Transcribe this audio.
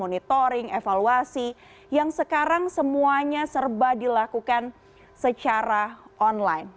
monitoring evaluasi yang sekarang semuanya serba dilakukan secara online